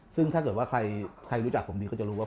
ซึ่งถ้าเกิดว่าใครรู้จักผมดีก็จะรู้ว่า